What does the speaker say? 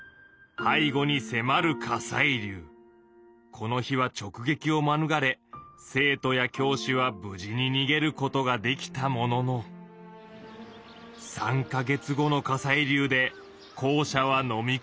この日はちょくげきをまぬがれ生徒や教師は無事ににげることができたものの３か月後の火砕流で校舎はのみこまれてしまった。